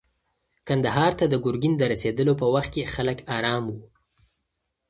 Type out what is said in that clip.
کندهار ته د ګرګین د رسېدلو په وخت کې خلک ارام وو.